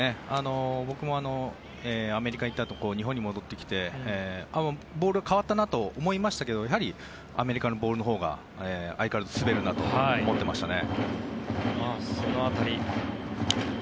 僕もアメリカに行ったあと日本に戻ってきてボールが変わったなと思いましたけどアメリカのボールのほうが相変わらず滑るなと思ってましたね。